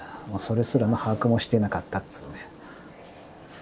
もうそれすらの把握もしていなかったというね。